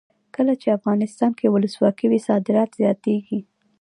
کله چې افغانستان کې ولسواکي وي صادرات زیاتیږي.